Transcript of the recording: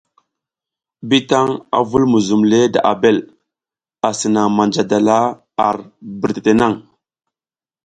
Bitan a vul muzum le da Abel, asi naŋ manja dala ar birtete naŋ.